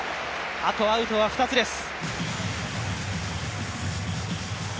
あとアウトは２つです。